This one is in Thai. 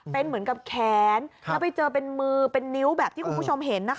เป็นเหมือนกับแขนแล้วไปเจอเป็นมือเป็นนิ้วแบบที่คุณผู้ชมเห็นนะคะ